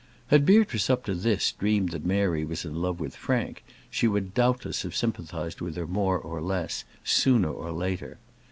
Had Beatrice up to this dreamed that Mary was in love with Frank, she would doubtless have sympathised with her more or less, sooner or later.